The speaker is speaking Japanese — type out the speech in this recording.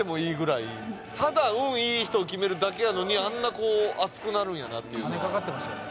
いい人を決めるだけやのにあんな熱くなるんやなっていう金かかってましたよね